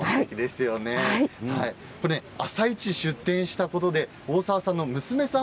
朝市に出店したことで大澤さんの娘さん